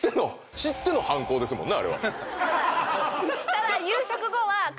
ただ。